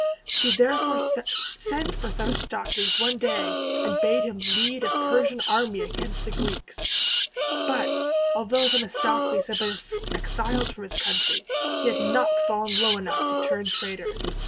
He therefore sent for Themistocles one day, and bade him lead a Persian army against the Greeks. But, although Themistocles had been exiled from his country, he had not fallen low enough to turn traitor.